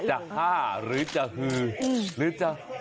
จะฆ่าหรือจะฮือหรือจะ